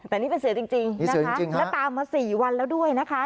อันนี้เป็นเสือวิจิตย์อันนี้เสือจริงค่ะแล้วตามมา๔วันแล้วด้วยนะคะ